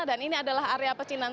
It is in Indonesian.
dan ini adalah area pecinan